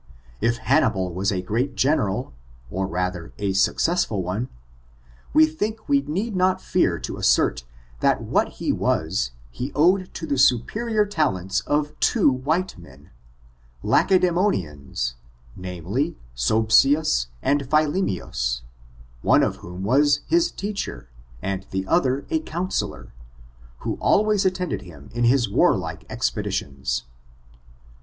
If Hannibal was a great general, or rather FORTUIf£<l; OF THE NEGRO RACE. 249 a successful one, we think we need not fear to assert that what he was, he owed to the superior talents of two white men, Lacedemonians, namely, Sobsius and Philemius, one of whom was his teacher^ and the other a counsellor^ who always attended him in his warlike expeditions.